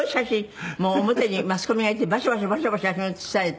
もう表にマスコミがいてバシャバシャバシャバシャ写されて。